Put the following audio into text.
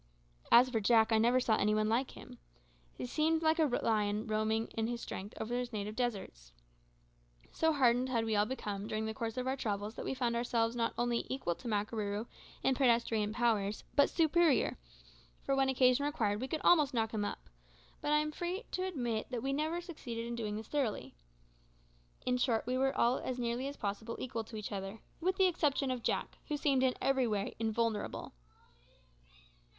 As for Jack, I never saw any one like him. He seemed like a lion roaming in his strength over his native deserts. So hardened had we all become during the course of our travels that we found ourselves not only equal to Makarooroo in pedestrian powers, but superior; for when occasion required we could almost knock him up, but I am free to admit that we never succeeded in doing this thoroughly. In short, we were all as nearly as possible equal to each other, with the exception of Jack, who seemed in every way invulnerable.